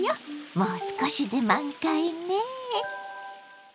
もう少しで満開ね！